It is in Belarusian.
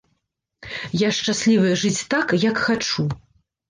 Я шчаслівая жыць так, як хачу.